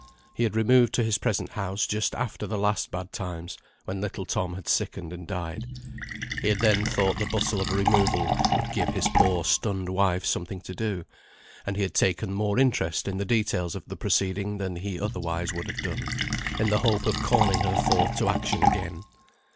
He had removed to his present house just after the last bad times, when little Tom had sickened and died. He had then thought the bustle of a removal would give his poor stunned wife something to do, and he had taken more interest in the details of the proceeding than he otherwise would have done, in the hope of calling her forth to action again.